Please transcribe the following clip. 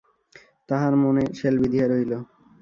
তাঁহার মনে শেল বিঁধিয়া রহিল।